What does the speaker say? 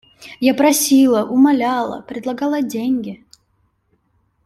Я просила, умоляла, предлагала деньги.